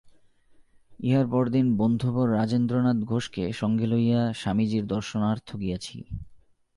ইহার পরদিন বন্ধুবর রাজেন্দ্রনাথ ঘোষকে সঙ্গে লইয়া স্বামীজীর দর্শনার্থ গিয়াছি।